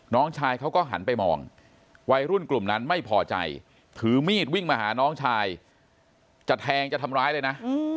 น้องชายเขาก็หันไปมองวัยรุ่นกลุ่มนั้นไม่พอใจถือมีดวิ่งมาหาน้องชายจะแทงจะทำร้ายเลยนะ